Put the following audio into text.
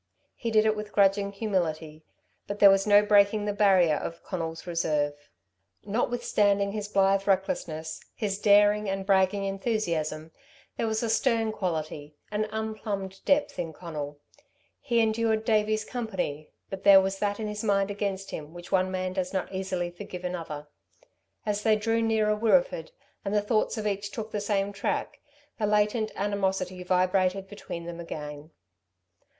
He did it with grudging humility; but there was no breaking the barrier of Conal's reserve. Notwithstanding his blithe recklessness, his daring and bragging enthusiasm, there was a stern quality, an unplumbed depth in Conal. He endured Davey's company, but there was that in his mind against him which one man does not easily forgive another. As they drew nearer Wirreeford, and the thoughts of each took the same track, the latent animosity vibrated between them again.